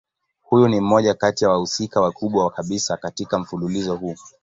Huyu ni mmoja kati ya wahusika wakubwa kabisa katika mfululizo huu.